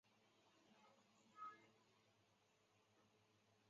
婺源凤仙花为凤仙花科凤仙花属下的一个种。